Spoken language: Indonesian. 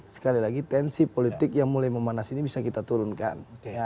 sekali lagi tensi politik yang mulai memanas ini bisa kita turunkan